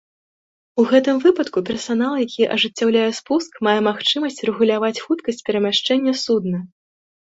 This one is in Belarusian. У гэтым выпадку персанал, які ажыццяўляе спуск, мае магчымасць рэгуляваць хуткасць перамяшчэння судна.